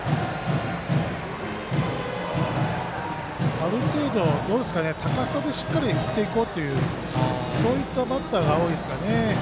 ある程度、高さでしっかり振っていこうというそういったバッターが多いですかね。